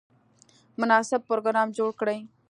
مناسب پروګرام جوړ کړي.